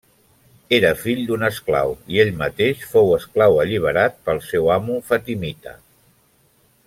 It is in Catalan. Era fill d'un esclau i ell mateix fou esclau alliberat pel seu amo fatimita.